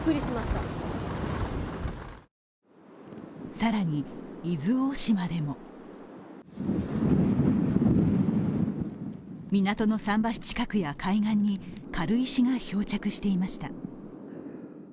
更に、伊豆大島でも港の桟橋近くや海岸に軽石が漂着していました。